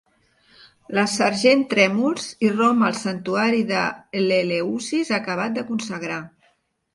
La sergent Trèmols irromp al santuari de l'Eleusis acabat de consagrar.